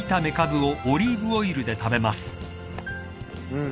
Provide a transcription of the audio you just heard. うん。